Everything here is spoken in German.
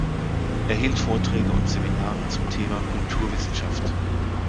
Er hielt Vorträge und Seminare zum Thema Kulturwissenschaft.